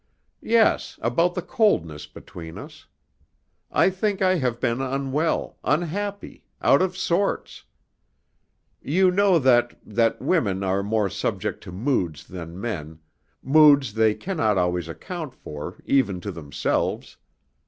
"Yes, about the coldness between us. I think I have been unwell, unhappy, out of sorts. You know that that women are more subject to moods than men, moods they cannot always account for even to themselves.